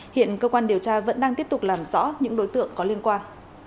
hiện cơ quan điều tra vẫn đang tiếp tục làm rõ những đối tượng có liên quan